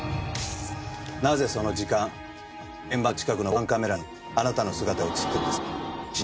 なぜその時間現場の近くの防犯カメラにあなたの姿が映ってるんですか？